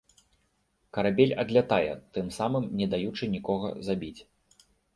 Карабель адлятае, тым самым не даючы нікога забіць.